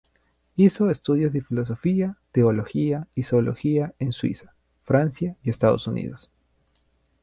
Hizo estudios de filosofía, teología y sociología en Suiza, Francia y Estados Unidos.